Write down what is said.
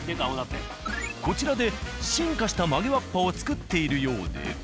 こちらで進化した曲げわっぱを作っているようで。